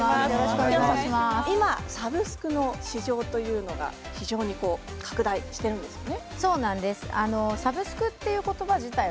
今、サブスクの市場は非常に拡大しているんですよね。